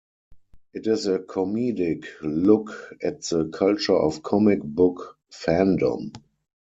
It is a comedic look at the culture of comic book fandom.